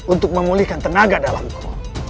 untuk memulihkan tenaga dalamku